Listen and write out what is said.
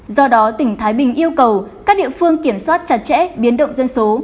do đó tỉnh thái bình yêu cầu các địa phương kiểm soát chặt chẽ biến động dân số